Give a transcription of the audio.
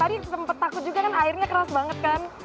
tadi sempat takut juga kan airnya keras banget kan